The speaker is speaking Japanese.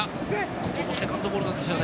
ここもセカンドボールですね。